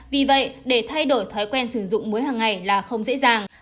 vì vậy để thay đổi thói quen sử dụng muối hàng ngày là không dễ dàng